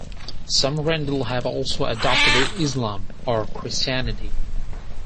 Some Rendille have also adopted Islam or Christianity.